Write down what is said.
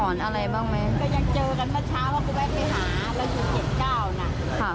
ก็ยังเจอกันเมื่อเช้าว่าก็แวะไปหาแล้วถึงเห็นก้าวนะ